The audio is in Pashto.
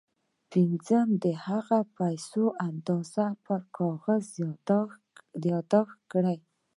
پنځم د هغو پيسو اندازه پر کاغذ ياداښت کړئ.